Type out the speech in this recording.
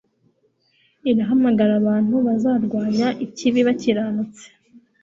Irahamagara abantu bazarwanya ikibi bakiranutse